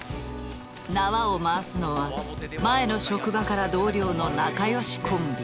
縄を回すのは前の職場から同僚の仲良しコンビ。